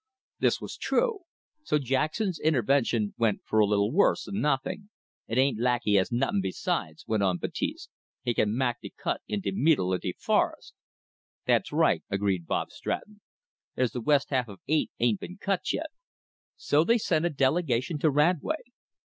This was true. So Jackson's intervention went for a little worse than nothing. "It ain't lak' he has nuttin' besides," went on Baptiste. "He can mak' de cut in de meedle of de fores'." "That's right," agreed Bob Stratton, "they's the west half of eight ain't been cut yet." So they sent a delegation to Radway.